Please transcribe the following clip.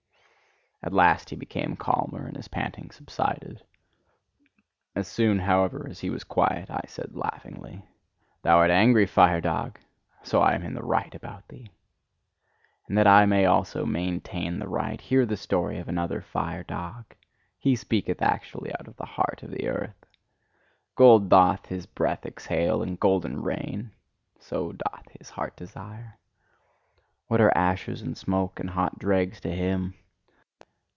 At last he became calmer and his panting subsided; as soon, however, as he was quiet, I said laughingly: "Thou art angry, fire dog: so I am in the right about thee! And that I may also maintain the right, hear the story of another fire dog; he speaketh actually out of the heart of the earth. Gold doth his breath exhale, and golden rain: so doth his heart desire. What are ashes and smoke and hot dregs to him!